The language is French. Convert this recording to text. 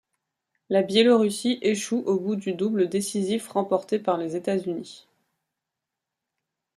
La Biélorussie échoue au bout du double décisif remporté par les États-Unis.